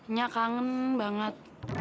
nya kangen banget